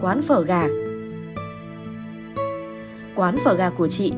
quán phở gà của chị là một trong những quán phở gà đẹp nhất của việt nam